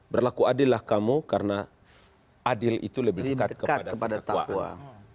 berlaku adil lah kamu karena adil itu lebih dekat kepada taqwaan